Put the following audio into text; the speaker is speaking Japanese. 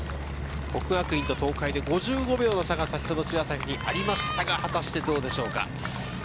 國學院と東海で５５秒の差が先ほど茅ヶ崎でありましたが、果たしてどうでしょうか。